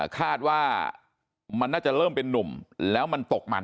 คาดว่ามันน่าจะเริ่มเป็นนุ่มแล้วมันตกมัน